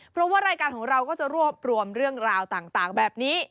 เพราะว่ารายการของเราก็จะรวบรวมเรื่องราวต่างแบบนี้